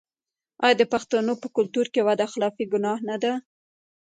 آیا د پښتنو په کلتور کې وعده خلافي ګناه نه ده؟